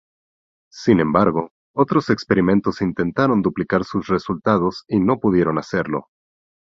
Sin embargo, otros experimentos intentaron duplicar sus resultados y no pudieron hacerlo.